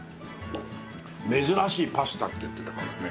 珍しいパスタって言ってたからね。